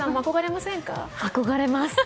憧れます。